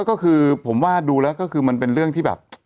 ก็คือผมว่าดูแล้วก็คือมันเป็นเรื่องที่แบบ